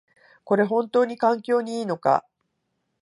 これ、ほんとに環境にいいのか？